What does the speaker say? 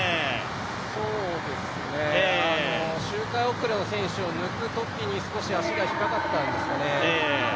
周回遅れの選手を抜くときに少し足が引っかかったんですかね。